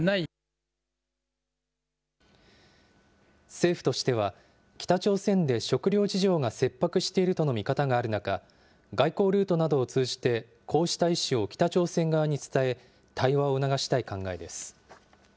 政府としては、北朝鮮で食料事情が切迫しているとの見方がある中、外交ルートなどを通じてこうした意思を北朝鮮側に伝え、対話を促したい考えです。